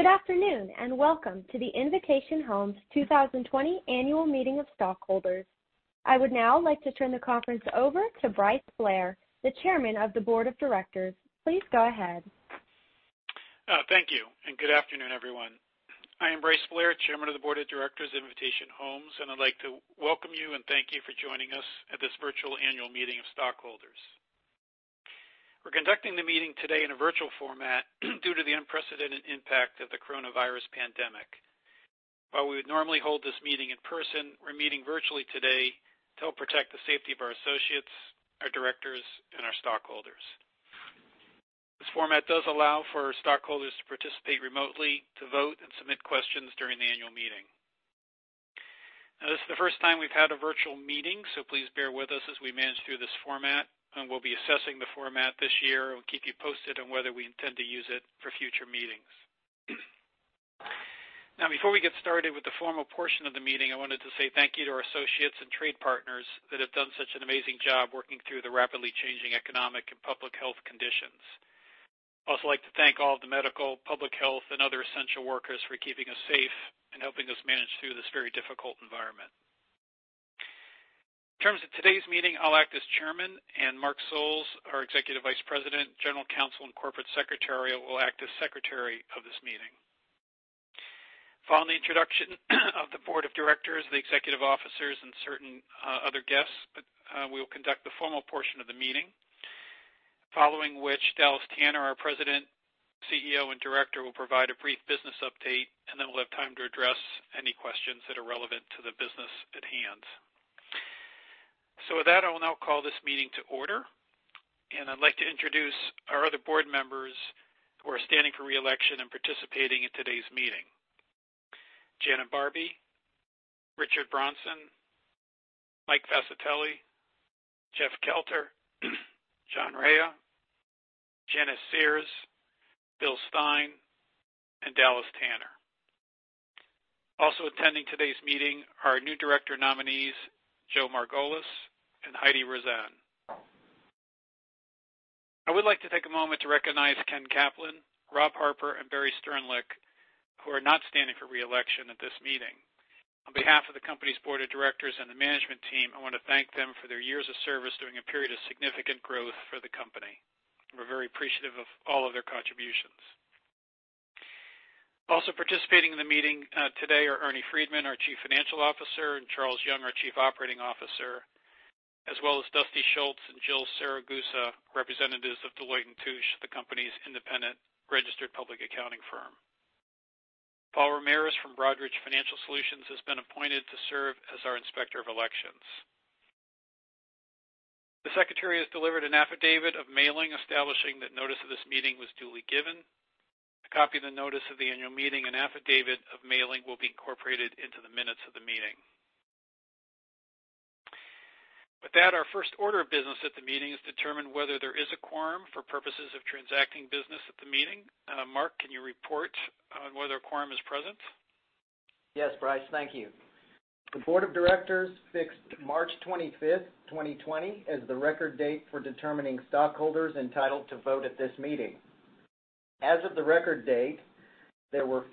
Good afternoon, and welcome to the Invitation Homes 2020 Annual Meeting of Stockholders. I would now like to turn the conference over to Bryce Blair, the Chairman of the Board of Directors. Please go ahead. Thank you. Good afternoon, everyone. I am Bryce Blair, Chairman of the Board of Directors of Invitation Homes. I'd like to welcome you and thank you for joining us at this virtual annual meeting of stockholders. We're conducting the meeting today in a virtual format due to the unprecedented impact of the coronavirus pandemic. While we would normally hold this meeting in person, we're meeting virtually today to help protect the safety of our associates, our directors, and our stockholders. This format does allow for stockholders to participate remotely, to vote, and submit questions during the annual meeting. This is the first time we've had a virtual meeting. Please bear with us as we manage through this format. We'll be assessing the format this year. We'll keep you posted on whether we intend to use it for future meetings. Before we get started with the formal portion of the meeting, I wanted to say thank you to our associates and trade partners that have done such an amazing job working through the rapidly changing economic and public health conditions. I'd also like to thank all of the medical, public health, and other essential workers for keeping us safe and helping us manage through this very difficult environment. In terms of today's meeting, I'll act as chairman, and Mark Solls, our Executive Vice President, General Counsel, and Corporate Secretary, will act as secretary of this meeting. Following the introduction of the board of directors, the executive officers, and certain other guests, we will conduct the formal portion of the meeting. Following which, Dallas Tanner, our President, CEO, and Director, will provide a brief business update. We'll have time to address any questions that are relevant to the business at hand. With that, I will now call this meeting to order, and I'd like to introduce our other board members who are standing for re-election and participating in today's meeting. Jana Barbe, Richard Bronson, Mike Fascitelli, Jeff Kelter, John Rhea, Janice Sears, Bill Stein, and Dallas Tanner. Also attending today's meeting are new director nominees Joe Margolis and Heidi Roizen. I would like to take a moment to recognize Ken Caplan, Rob Harper, and Barry Sternlicht, who are not standing for re-election at this meeting. On behalf of the company's board of directors and the management team, I want to thank them for their years of service during a period of significant growth for the company. We're very appreciative of all of their contributions. Also participating in the meeting today are Ernie Freedman, our Chief Financial Officer, and Charles Young, our Chief Operating Officer, as well as Dusty Schultz and Jill Siragusa, representatives of Deloitte & Touche, the company's independent registered public accounting firm. Paul Ramirez from Broadridge Financial Solutions has been appointed to serve as our Inspector of Elections. The secretary has delivered an affidavit of mailing establishing that notice of this meeting was duly given. A copy of the notice of the annual meeting and affidavit of mailing will be incorporated into the minutes of the meeting. With that, our first order of business at the meeting is to determine whether there is a quorum for purposes of transacting business at the meeting. Mark, can you report on whether a quorum is present? Yes, Bryce. Thank you. The board of directors fixed March 25th, 2020, as the record date for determining stockholders entitled to vote at this meeting. As of the record date, there were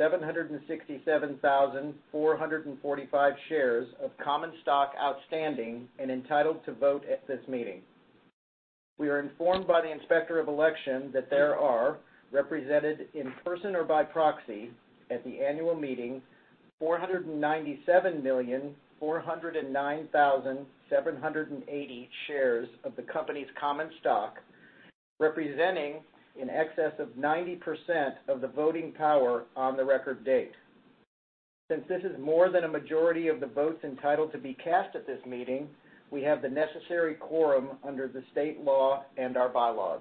543,767,445 shares of common stock outstanding and entitled to vote at this meeting. We are informed by the Inspector of Elections that there are, represented in person or by proxy at the annual meeting, 497,409,780 shares of the company's common stock, representing in excess of 90% of the voting power on the record date. Since this is more than a majority of the votes entitled to be cast at this meeting, we have the necessary quorum under the state law and our bylaws.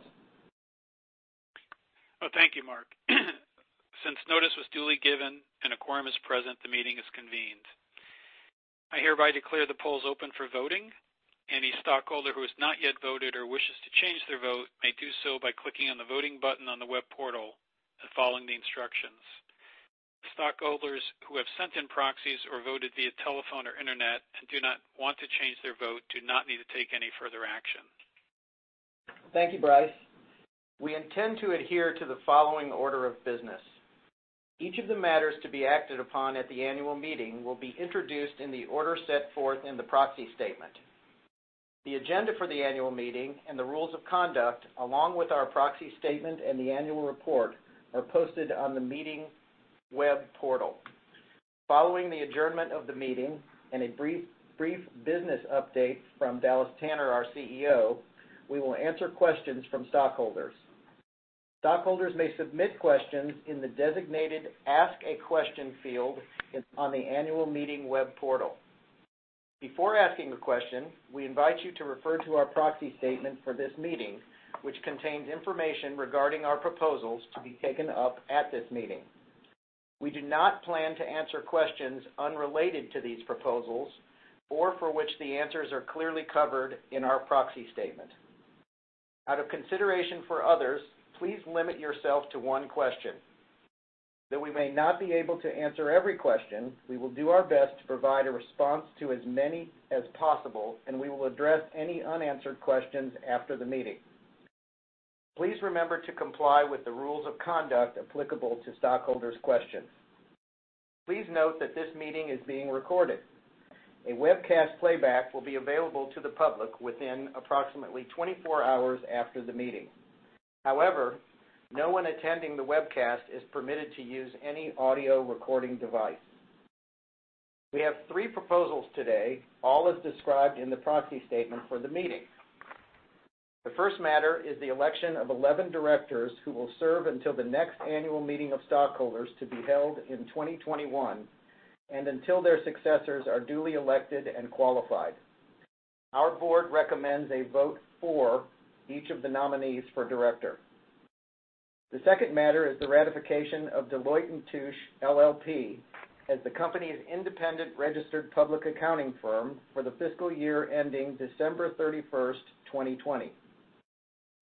Thank you, Mark. Since notice was duly given and a quorum is present, the meeting is convened. I hereby declare the polls open for voting. Any stockholder who has not yet voted or wishes to change their vote may do so by clicking on the voting button on the web portal and following the instructions. Stockholders who have sent in proxies or voted via telephone or internet and do not want to change their vote do not need to take any further action. Thank you, Bryce. We intend to adhere to the following order of business. Each of the matters to be acted upon at the annual meeting will be introduced in the order set forth in the proxy statement. The agenda for the annual meeting and the rules of conduct, along with our proxy statement and the annual report, are posted on the meeting web portal. Following the adjournment of the meeting and a brief business update from Dallas Tanner, our CEO, we will answer questions from stockholders. Stockholders may submit questions in the designated Ask a Question field on the annual meeting web portal. Before asking a question, we invite you to refer to our proxy statement for this meeting, which contains information regarding our proposals to be taken up at this meeting. We do not plan to answer questions unrelated to these proposals or for which the answers are clearly covered in our proxy statement. Out of consideration for others, please limit yourself to one question. Though we may not be able to answer every question, we will do our best to provide a response to as many as possible, and we will address any unanswered questions after the meeting. Please remember to comply with the rules of conduct applicable to stockholders' questions. Please note that this meeting is being recorded. A webcast playback will be available to the public within approximately 24 hours after the meeting. However, no one attending the webcast is permitted to use any audio recording device. We have three proposals today, all as described in the proxy statement for the meeting. The first matter is the election of 11 directors who will serve until the next annual meeting of stockholders to be held in 2021, and until their successors are duly elected and qualified. Our board recommends a vote for each of the nominees for director. The second matter is the ratification of Deloitte & Touche LLP as the company's independent registered public accounting firm for the fiscal year ending December 31st, 2020.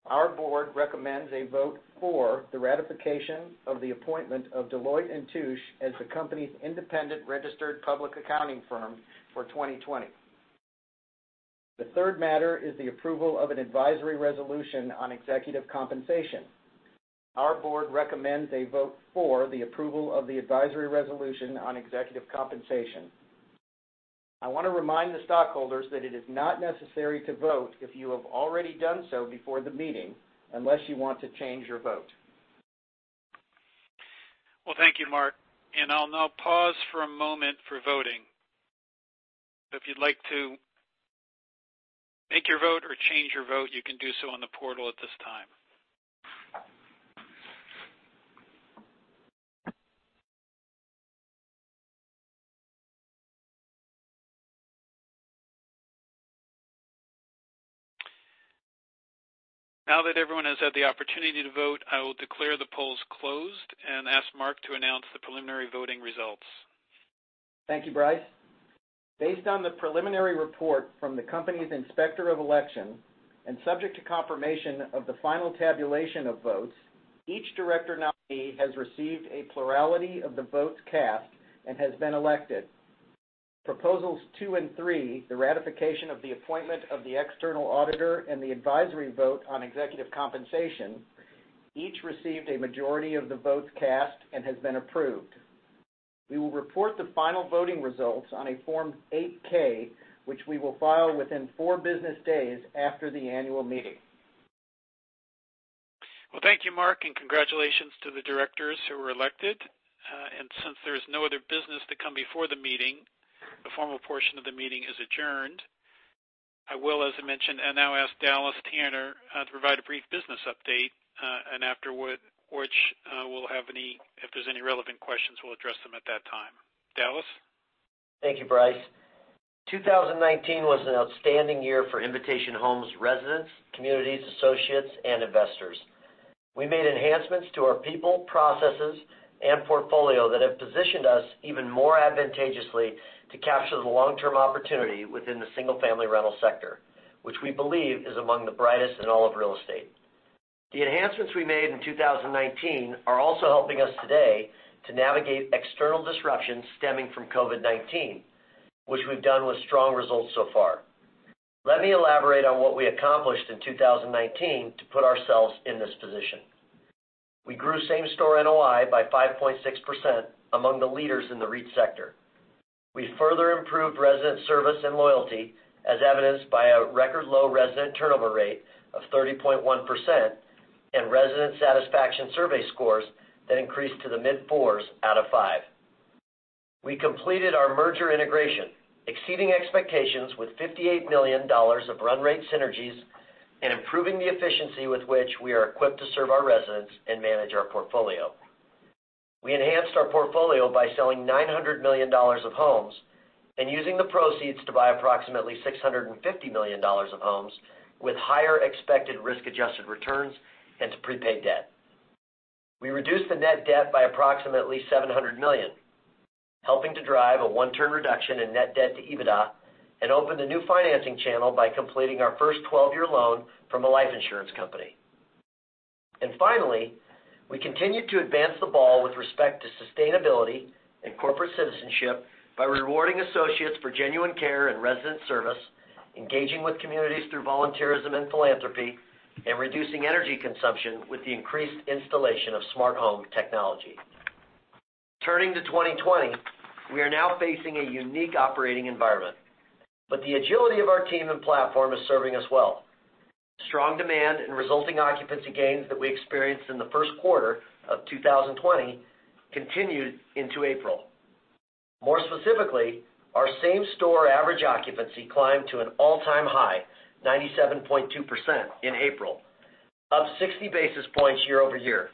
Our board recommends a vote for the ratification of the appointment of Deloitte & Touche as the company's independent registered public accounting firm for 2020. The third matter is the approval of an advisory resolution on executive compensation. Our board recommends a vote for the approval of the advisory resolution on executive compensation. I want to remind the stockholders that it is not necessary to vote if you have already done so before the meeting, unless you want to change your vote. Well, thank you, Mark. I'll now pause for a moment for voting. If you'd like to make your vote or change your vote, you can do so on the portal at this time. Now that everyone has had the opportunity to vote, I will declare the polls closed and ask Mark to announce the preliminary voting results. Thank you, Bryce. Based on the preliminary report from the company's inspector of election, and subject to confirmation of the final tabulation of votes, each director nominee has received a plurality of the votes cast and has been elected. Proposals two and three, the ratification of the appointment of the external auditor and the advisory vote on executive compensation, each received a majority of the votes cast and has been approved. We will report the final voting results on a Form 8-K, which we will file within four business days after the annual meeting. Well, thank you, Mark. Congratulations to the directors who were elected. Since there's no other business to come before the meeting, the formal portion of the meeting is adjourned. I will, as I mentioned, now ask Dallas Tanner to provide a brief business update, and afterward if there's any relevant questions, we'll address them at that time. Dallas? Thank you, Bryce. 2019 was an outstanding year for Invitation Homes residents, communities, associates, and investors. We made enhancements to our people, processes, and portfolio that have positioned us even more advantageously to capture the long-term opportunity within the single-family rental sector, which we believe is among the brightest in all of real estate. The enhancements we made in 2019 are also helping us today to navigate external disruptions stemming from COVID-19, which we've done with strong results so far. Let me elaborate on what we accomplished in 2019 to put ourselves in this position. We grew same-store NOI by 5.6%, among the leaders in the REIT sector. We further improved resident service and loyalty, as evidenced by a record low resident turnover rate of 30.1% and resident satisfaction survey scores that increased to the mid fours out of five. We completed our merger integration, exceeding expectations with $58 million of run rate synergies and improving the efficiency with which we are equipped to serve our residents and manage our portfolio. We enhanced our portfolio by selling $900 million of homes and using the proceeds to buy approximately $650 million of homes with higher expected risk-adjusted returns and to prepaid debt. We reduced the net debt by approximately $700 million, helping to drive a one-turn reduction in net debt to EBITDA and opened a new financing channel by completing our first 12-year loan from a life insurance company. Finally, we continued to advance the ball with respect to sustainability and corporate citizenship by rewarding associates for genuine care and resident service, engaging with communities through volunteerism and philanthropy, and reducing energy consumption with the increased installation of smart home technology. Turning to 2020, we are now facing a unique operating environment, but the agility of our team and platform is serving us well. Strong demand and resulting occupancy gains that we experienced in the first quarter of 2020 continued into April. More specifically, our same-store average occupancy climbed to an all-time high 97.2% in April, up 60 basis points year-over-year,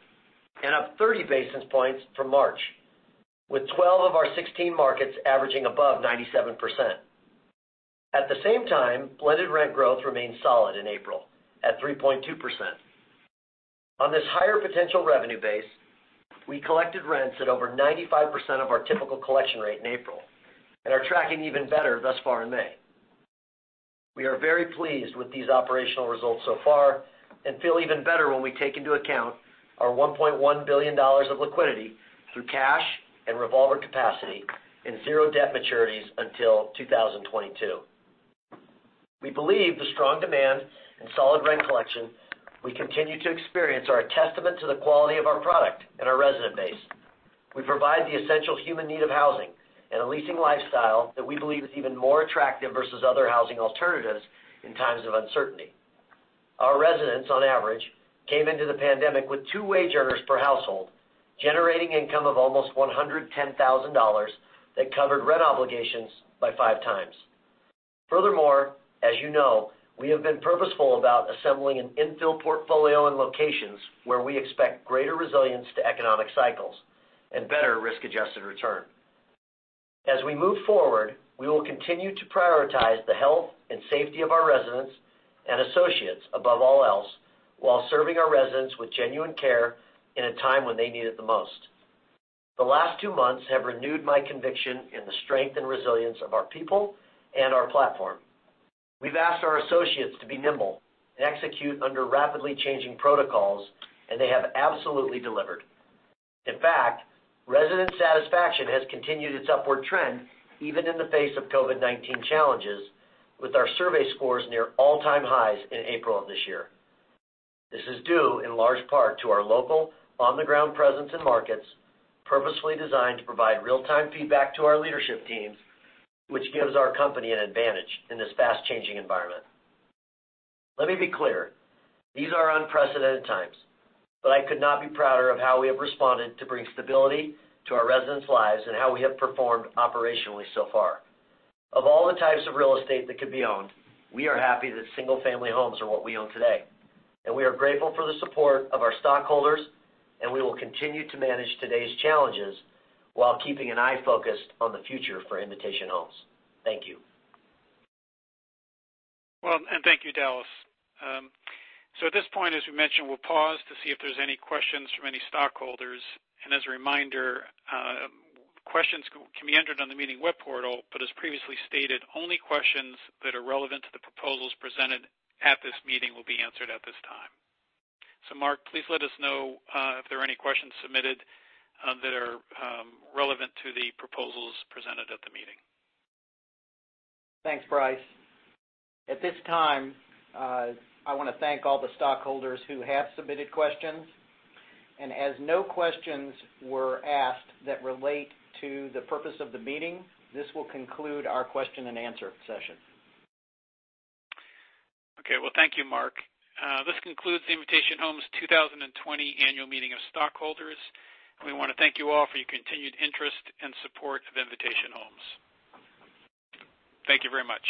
and up 30 basis points from March, with 12 of our 16 markets averaging above 97%. At the same time, blended rent growth remained solid in April at 3.2%. On this higher potential revenue base, we collected rents at over 95% of our typical collection rate in April and are tracking even better thus far in May. We are very pleased with these operational results so far and feel even better when we take into account our $1.1 billion of liquidity through cash and revolver capacity and zero debt maturities until 2022. We believe the strong demand and solid rent collection we continue to experience are a testament to the quality of our product and our resident base. We provide the essential human need of housing and a leasing lifestyle that we believe is even more attractive versus other housing alternatives in times of uncertainty. Our residents, on average, came into the pandemic with two wage earners per household, generating income of almost $110,000 that covered rent obligations by five times. Furthermore, as you know, we have been purposeful about assembling an infill portfolio in locations where we expect greater resilience to economic cycles and better risk-adjusted return. As we move forward, we will continue to prioritize the health and safety of our residents and associates above all else while serving our residents with genuine care in a time when they need it the most. The last two months have renewed my conviction in the strength and resilience of our people and our platform. We've asked our associates to be nimble and execute under rapidly changing protocols, and they have absolutely delivered. In fact, resident satisfaction has continued its upward trend even in the face of COVID-19 challenges, with our survey scores near all-time highs in April of this year. This is due in large part to our local, on-the-ground presence in markets purposefully designed to provide real-time feedback to our leadership teams, which gives our company an advantage in this fast-changing environment. Let me be clear, these are unprecedented times, but I could not be prouder of how we have responded to bring stability to our residents' lives and how we have performed operationally so far. Of all the types of real estate that could be owned, we are happy that single-family homes are what we own today. We are grateful for the support of our stockholders, and we will continue to manage today's challenges while keeping an eye focused on the future for Invitation Homes. Thank you. Well, thank you, Dallas. At this point, as we mentioned, we'll pause to see if there's any questions from any stockholders. As a reminder, questions can be entered on the meeting web portal, but as previously stated, only questions that are relevant to the proposals presented at this meeting will be answered at this time. Mark, please let us know if there are any questions submitted that are relevant to the proposals presented at the meeting. Thanks, Bryce. At this time, I want to thank all the stockholders who have submitted questions, and as no questions were asked that relate to the purpose of the meeting, this will conclude our question and answer session. Okay, well, thank you, Mark. This concludes the Invitation Homes 2020 Annual Meeting of Stockholders. We want to thank you all for your continued interest and support of Invitation Homes. Thank you very much.